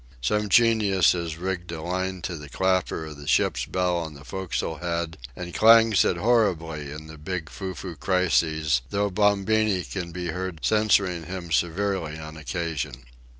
Some genius has rigged a line to the clapper of the ship's bell on the forecastle head and clangs it horribly in the big foo foo crises, though Bombini can be heard censuring him severely on occasion.